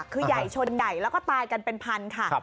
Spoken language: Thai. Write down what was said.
คือใหญ่ชนใหญ่แล้วก็ตายกันเป็นพันค่ะ